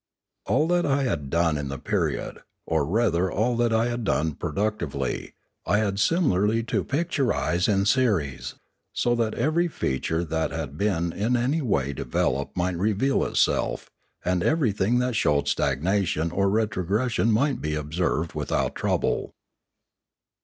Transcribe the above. All that I had done in the period, or rather all that I had done productively, I had similarly to picturise in series, so that every feature that had been in any way developed might reveal itself, and everything that showed stagnation or retrogression might be observed without trouble.